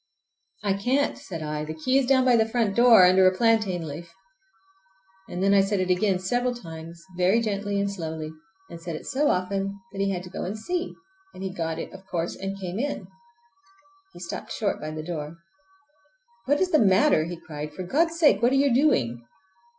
"I can't," said I. "The key is down by the front door under a plantain leaf!" And then I said it again, several times, very gently and slowly, and said it so often that he had to go and see, and he got it, of course, and came in. He stopped short by the door. "What is the matter?" he cried. "For God's sake, what are you doing!"